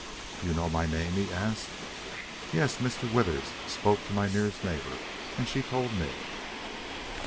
"You know my name?" he asked. "Yes. Mr. Withers spoke to my nearest neighbor and she told me."